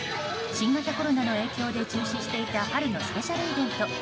新型コロナの影響で中止していた春のスペシャルイベント